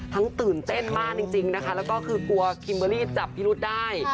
ตื่นเต้นมากจริงนะคะแล้วก็คือกลัวคิมเบอร์รี่จับพิรุษได้